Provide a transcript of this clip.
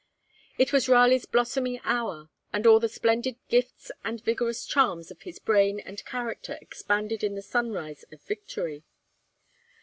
It was Raleigh's blossoming hour, and all the splendid gifts and vigorous charms of his brain and character expanded in the sunrise of victory.